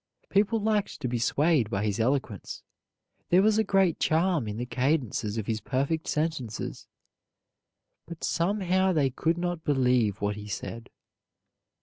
People liked to be swayed by his eloquence. There was a great charm in the cadences of his perfect sentences. But somehow they could not believe what he said.